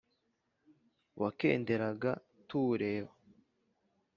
wakenderaga tuwureba